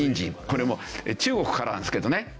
これも中国からなんですけどね。